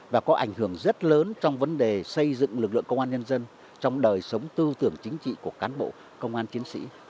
và có ảnh hưởng rất lớn trong vấn đề xây dựng lực lượng công an nhân dân trong đời sống tư tưởng chính trị của cán bộ công an chiến sĩ